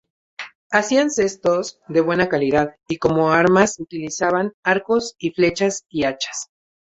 Hacían cestos de buena calidad, y como armas utilizaban arcos y flechas y hachas.